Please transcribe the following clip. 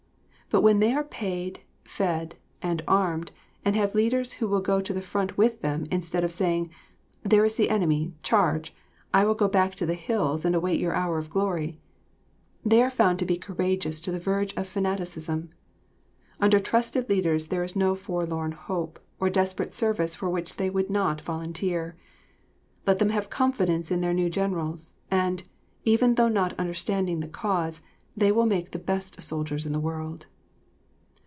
But when they are paid, fed, and armed, and have leaders who will go to the front with them, instead of saying, "There is the enemy. Charge! I will go back to the hills and await your hour of glory," they are found to be courageous to the verge of fanaticism. Under trusted leaders there is no forlorn hope or desperate service for which they would not volunteer. Let them have confidence in their new generals, and, even though not understanding the cause, they will make the best soldiers in the world.